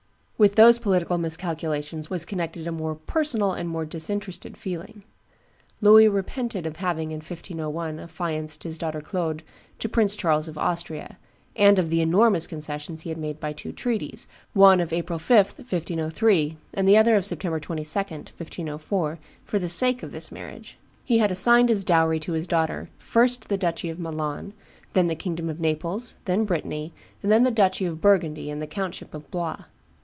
With those political miscalculations was connected a more personal and more disinterested feeling. Louis repented of having in 1501 affianced his daughter Claude to Prince Charles of Austria, and of the enormous concessions he had made by two treaties, one of April 5, 1503, and the other of September 22, 1504, for the sake of this marriage. He had assigned as dowry to his daughter, first the duchy of Milan, then the kingdom of Naples, then Brittany, and then the duchy of Burgundy and the countship of Blois.